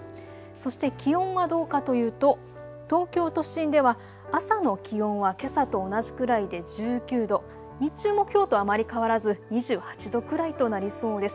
そして気温がどうかというと東京都心では朝の気温はけさと同じくらいで１９度、日中もきょうとあまり変わらず２８度くらいとなりそうです。